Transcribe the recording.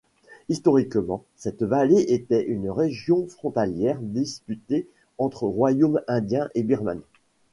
Historiquement cette vallée était une région frontalière disputée entre royaumes indien et birman.